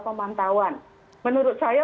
pemantauan menurut saya